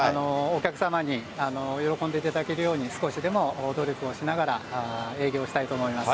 お客様に喜んでいただけるように、少しでも努力をしながら、営業したいと思います。